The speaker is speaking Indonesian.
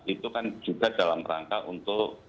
itu kan juga dalam rangka untuk